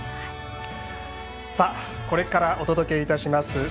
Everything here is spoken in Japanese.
これからお届けいたします